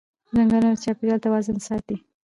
ځنګلونه د چاپېریال توازن ساتي